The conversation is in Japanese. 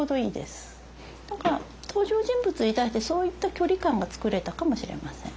だから登場人物に対してそういった距離感が作れたかもしれません。